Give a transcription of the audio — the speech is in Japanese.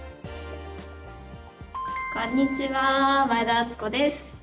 こんにちは前田敦子です。